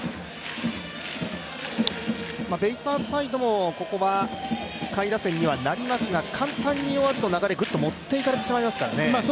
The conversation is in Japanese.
ベイスターズサイドもここは下位打線にはなりますが簡単に終わると流れぐっと持って行かれてしまいますからね。